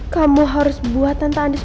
kamu harus buat tante andes